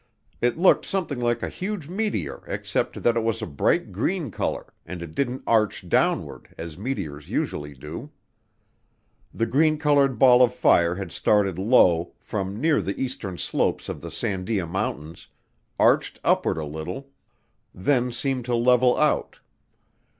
It looked something like a huge meteor except that it was a bright green color and it didn't arch downward, as meteors usually do. The green colored ball of fire had started low, from near the eastern slopes of the Sandia Mountains, arched upward a little, then seemed to level out.